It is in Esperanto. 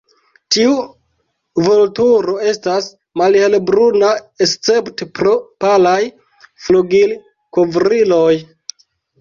Tiu vulturo estas malhelbruna escepte pro palaj flugilkovriloj.